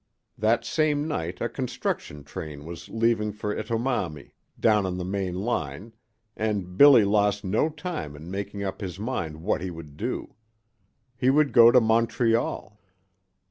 That same night a construction train was leaving for Etomami, down on the main line, and Billy lost no time in making up his mind what he would do. He would go to Montreal.